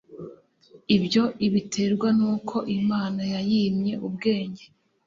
ibyo ibiterwa n'uko imana yayimye ubwenge